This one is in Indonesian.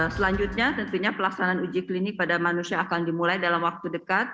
selanjutnya tentunya pelaksanaan uji klinik pada manusia akan dimulai dalam waktu dekat